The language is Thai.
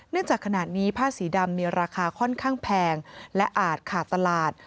จากขณะนี้ผ้าสีดำมีราคาค่อนข้างแพงและอาจขาดตลาด